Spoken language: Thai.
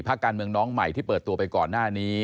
การเมืองน้องใหม่ที่เปิดตัวไปก่อนหน้านี้